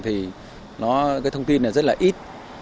thì nó cái thông tin là rất là ít